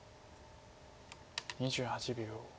２８秒。